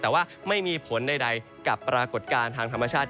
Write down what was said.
แต่ว่าไม่มีผลใดกับปรากฏการณ์ทางธรรมชาติ